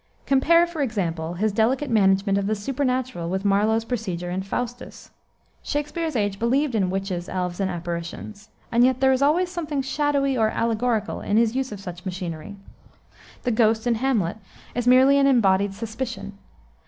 Compare, for example, his delicate management of the supernatural with Marlowe's procedure in Faustus. Shakspere's age believed in witches, elves, and apparitions; and yet there is always something shadowy or allegorical in his use of such machinery. The ghost in Hamlet is merely an embodied suspicion.